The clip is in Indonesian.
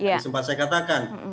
seperti yang sempat saya katakan